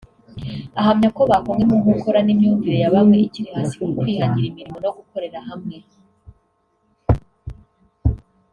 Ahamya ko bakomwe mu nkokora n’imyumvire ya bamwe ikiri hasi ku kwihangira imirimo no gukorera hamwe